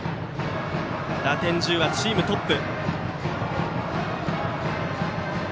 打点１０はチームトップ。